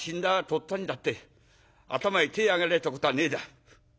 っつぁんにだって頭に手ぇ上げられたことはねえだ。